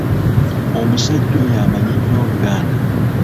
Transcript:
Omusajja oyo amanyi nnyo Oluganda.